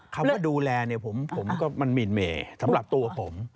คำว่าดูแลผมก็มีเหม่สำหรับตัวผม